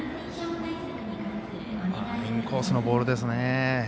インコースのボールですね。